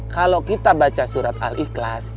kalau kita baca surat al ikhlas